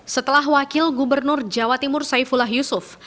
setelah wakil gubernur jawa timur saifullah yusuf